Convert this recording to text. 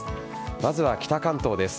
まずは北関東です。